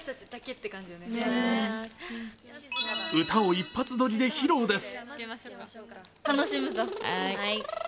歌を一発撮りで披露です。